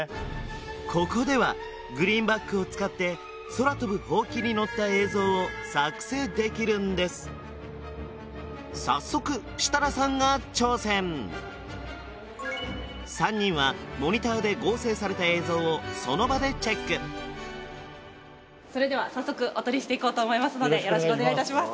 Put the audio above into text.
ここではグリーンバックを使って空飛ぶほうきに乗った映像を作成できるんです早速設楽さんが挑戦３人はモニターで合成された映像をその場でチェック・それでは早速お撮りしていこうと思いますので・よろしくお願いいたします